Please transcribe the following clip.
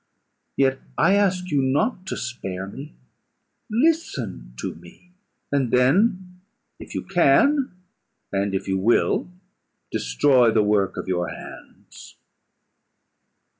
Yet I ask you not to spare me: listen to me; and then, if you can, and if you will, destroy the work of your hands."